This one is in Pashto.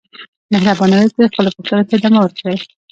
مهرباني وکړئ خپلو پوښتنو ته ادامه ورکړئ.